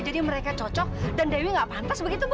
jadi mereka cocok dan dewi nggak pantas begitu bu